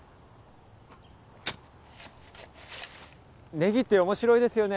ねぎって面白いですよね。